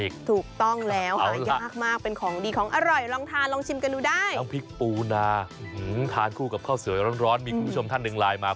ซึ่งข้อน้ำพริกปูนาท้านคู่กับข้าวสวยร้อนมีคุณผู้ชมท่านนึงไลน์มา